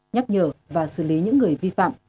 nhắc nhở và xử lý những người vi phạm